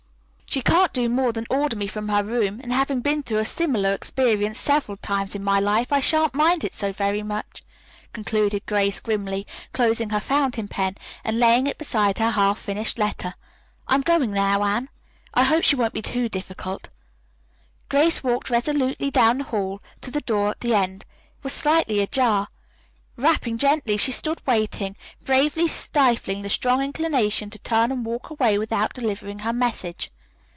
She can't do more than order me from her room, and having been through a similar experience several times in my life I shan't mind it so very much," concluded Grace grimly, closing her fountain pen and laying it beside her half finished letter. "I'm going now, Anne. I hope she won't be too difficult." Grace walked resolutely down the hall to the door at the end. It was slightly ajar. Rapping gently, she stood waiting, bravely stifling the strong inclination to turn and walk away without delivering her message.